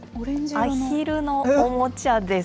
アヒルのおもちゃです。